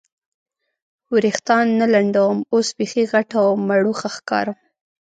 وریښتان نه لنډوم، اوس بیخي غټه او مړوښه ښکارم.